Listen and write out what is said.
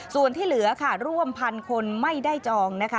ส่วนที่เหลือร่วมพันคนไม่ได้จอง